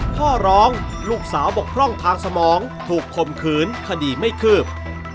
พ่อร้องลูกสาวบกพร่องทางสมองถูกคมขืนคดีไม่คืบ